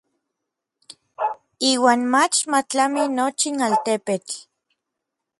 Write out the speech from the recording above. Iuan mach ma tlami nochin altepetl.